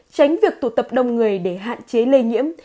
tránh việc tụ tập đông người để hạn chế lây nhiễm